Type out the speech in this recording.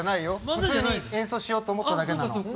普通に演奏しようと思っただけなの。